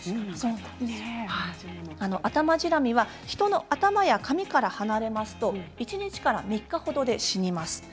アタマジラミはヒトの頭や髪から離れますと１日から３日ほどで死にます。